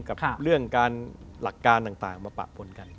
กับเรื่องการหลักการต่างมาปะปนกัน